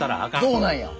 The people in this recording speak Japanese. そうなんや！